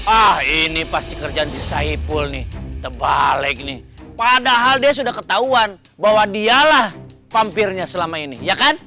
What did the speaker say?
ah ini pasti kerjaan si saipul nih terbalik nih padahal dia sudah ketahuan bahwa dialah pampirnya selama ini ya kan